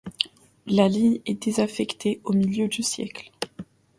La ligne est désaffectée au milieu du siècle.